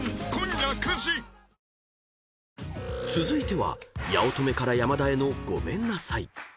［続いては八乙女から山田へのごめんなさい］